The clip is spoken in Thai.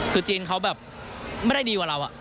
คือจีนเขาแบบไม่ได้ดีกว่าเรา